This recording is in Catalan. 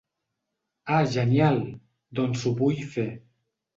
Ah genial, doncs ho vull fer.